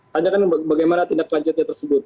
tanyakan bagaimana tindak lanjutnya tersebut